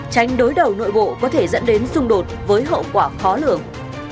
tránh đối đầu nội bộ có thể dẫn đến xung đột với hậu quả khó lường